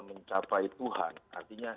mencapai tuhan artinya